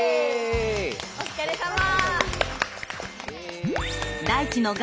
お疲れさま。